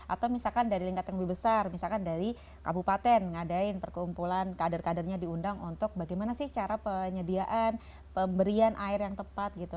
atau misalkan dari lingkat yang lebih besar misalkan dari kabupaten ngadain perkumpulan kader kadernya diundang untuk bagaimana sih cara penyediaan pemberian air yang tepat gitu